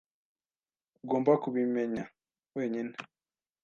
Ugomba kubimenya wenyine.